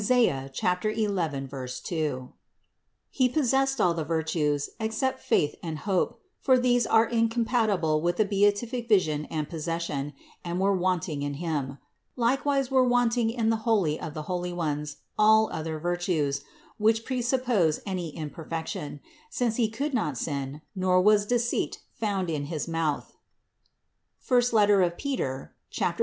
11, 2). He possessed all the virtues, except faith and hope; for these are incom patible with the beatific vision and possession, and were wanting in Him; likewise were wanting in the Holy of the holy ones, all other virtues, which presuppose any imperfection; since He could not sin, nor was deceit found in his mouth (I Pet. 2, 22).